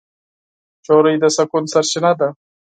نجلۍ د سکون سرچینه ده.